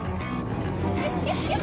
やっ